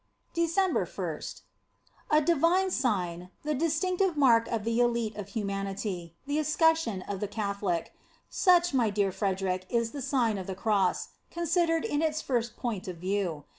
December 1st. A DIVINE Sign, the distinctive mark of the elite of humanity, the escutcheon of the Catho lic; such, my dear Frederic, is the Sign of the Cross, considered in its first point of view.